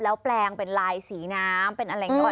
แล้วแปลงเป็นลายสีน้ำเป็นอะไรอย่างนี้